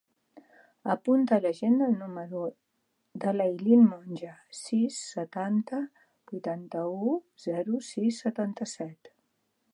Apunta a l'agenda el número de l'Aylen Monje: sis, setanta, vuitanta-u, zero, sis, setanta-set.